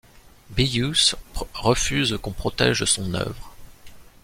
Beuys refuse qu'on protège son œuvre.